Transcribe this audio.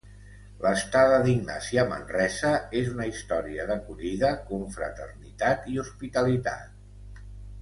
L’estada d’Ignasi a Manresa és una història d’acollida, confraternitat i hospitalitat.